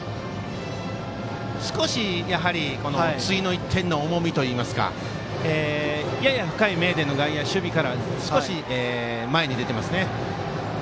やはり少し次の１点の重みといいますかやや深い、名電の外野守備から少し前に出ていますね。